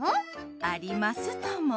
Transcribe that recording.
ありますとも。